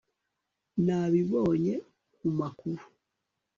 Nabibonye kumakuru